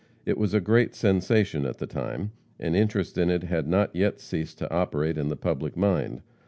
It was a great sensation at the time, and interest in it has not yet ceased to operate on the public mind.